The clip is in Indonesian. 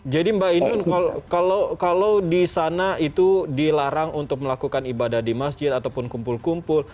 jadi mbak ainun kalau di sana itu dilarang untuk melakukan ibadah di masjid ataupun kumpul kumpul